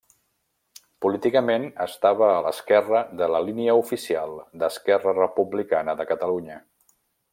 Políticament estava a l'esquerra de la línia oficial d'Esquerra Republicana de Catalunya.